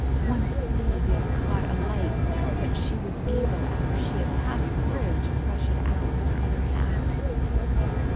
One sleeve even caught alight, but she was able after she had passed through to crush it out with her other hand.